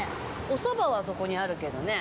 おそばはそこにあるけどね。